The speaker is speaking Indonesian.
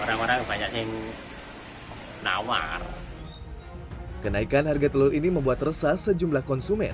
orang orang banyak yang nawar kenaikan harga telur ini membuat resah sejumlah konsumen